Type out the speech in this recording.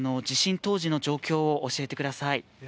地震当時の状況を教えてください。